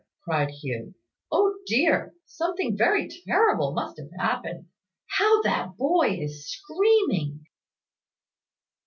cried Hugh. "O dear! Something very terrible must have happened. How that boy is screaming!"